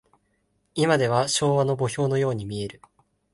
いまでは昭和の墓標のように見える。